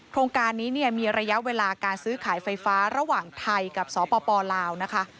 โครงการนี้เนี่ยมีระยะเวลาการซื้อขายไฟฟ้าระหว่างไทยกับสปลาวนะคะ